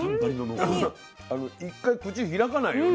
１回口開かないよね。